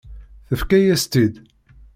Tefka-yas-tt-id.